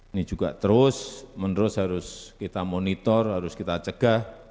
ini juga terus menerus harus kita monitor harus kita cegah